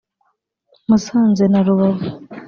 Musanze na Rubavu